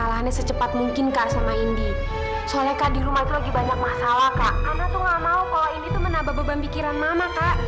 ana tuh gak mau kalau ini tuh menambah beban pikiran mama kak